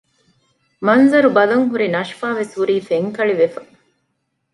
މަންޒަރު ބަލަން ހުރި ނަޝްފާ ވެސް ހުރީ ފެންކަޅިވެފަ